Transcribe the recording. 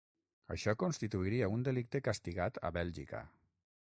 Això constituiria un delicte castigat a Bèlgica.